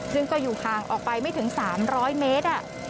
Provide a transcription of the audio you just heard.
ซึ่งก็อยู่ห่างออกไปไม่ถึง๓๐๐เมตร